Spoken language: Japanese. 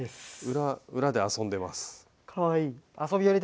裏で遊んでます。